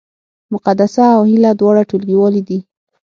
مقدسه او هیله دواړه ټولګیوالې دي